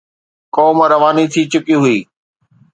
قوم رواني ٿي چڪي هئي.